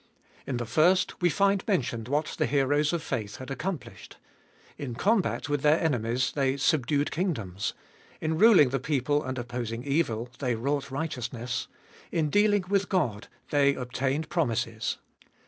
In the first we find mentioned what the heroes of faith had accomplished. In combat with their enemies, they subdued kingdoms; in ruling the people and opposing evil, they wrought righteousness; in dealing with God, they obtained promises.